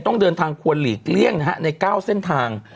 ต้องเดินทางควรหลีกเลี่ยงใน๙เส้นทาง